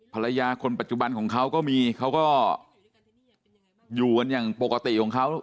ภรรยาคนปัจจุบันของเขาก็มีเขาก็อยู่กันอย่างปกติของเขา